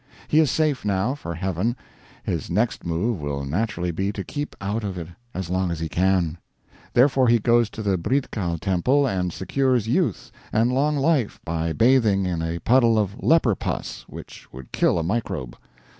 He is safe, now, for heaven; his next move will naturally be to keep out of it as long as he can. Therefore he goes to the Briddhkal Temple and secures Youth and long life by bathing in a puddle of leper pus which would kill a microbe.